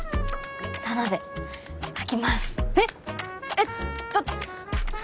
えっちょっと。